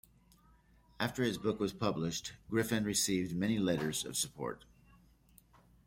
After his book was published, Griffin received many letters of support.